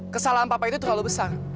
kesalahan papa ini terlalu besar